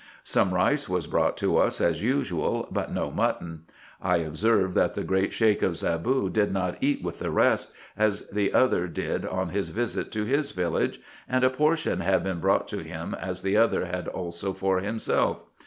Some rice was brought to us as usual, but no mutton. I observed that the great Sheik of Zaboo did not eat with the rest, as the other did on his visit to his village, and a portion had been brought to him as the other had also for himself.